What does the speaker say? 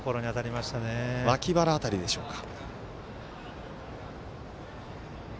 脇腹辺りでしょうか。